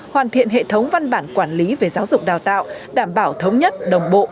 hoàn thiện hệ thống văn bản quản lý về giáo dục đào tạo đảm bảo thống nhất đồng bộ